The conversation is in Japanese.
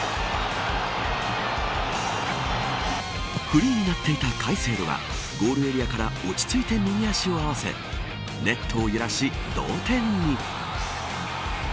フリーになっていたカイセードがゴールエリアから落ち着いて右足を合わせネットを揺らし同点に。